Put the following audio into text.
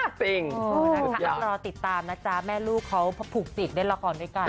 จริงจริงอย่างนั้นค่ะรอติดตามนะจ๊ะแม่ลูกเขาผูกติดในละครด้วยกัน